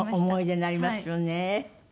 思い出になりますよね。